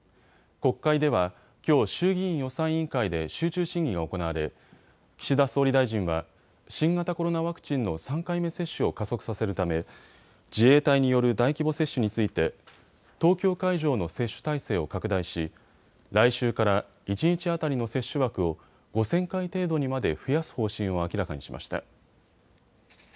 国会では、きょう衆議院予算委員会で集中審議が行われ、岸田総理大臣は新型コロナワクチンの３回目接種を加速させるため自衛隊による大規模接種について東京会場の接種体制を拡大し来週から一日当たりの接種枠を５０００回程度にまで増やす方針を明らかにしました。